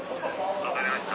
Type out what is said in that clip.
分かりました。